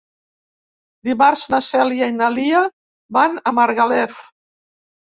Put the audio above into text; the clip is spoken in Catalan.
Dimarts na Cèlia i na Lia van a Margalef.